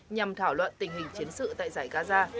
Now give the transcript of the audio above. nhằm thảo luận tình hình chiến sự tại giải gaza